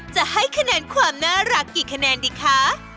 จะให้คะแนนความน่ารักกี่คะแนนดีคะ